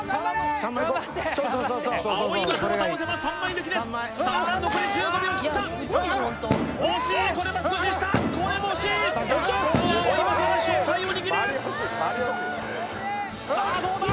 青い的を倒せば３枚抜きですさあ残り１５秒を切った惜しいこれは少し下これも惜しい青い的が勝敗を握るさあどうだ？